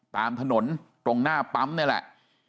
ตามถนนตรงหน้าปั๊มนี่แหละ